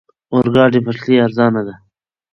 اورګاډي پټلۍ ارزانه ده.